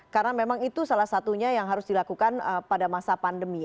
karena memang itu salah satunya yang harus dilakukan pada masa pandemi